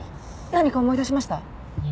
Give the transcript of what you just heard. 何か思い出しました？